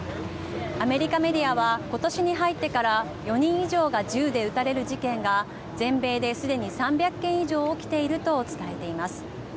アメリカメディアはことしに入ってから４人以上が銃で撃たれる事件が全米ですでに３００件以上起きていると伝えています。